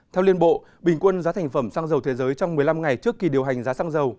theo liên bộ bình quân giá thành phẩm xăng dầu thế giới trong một mươi năm ngày trước kỳ điều hành giá xăng dầu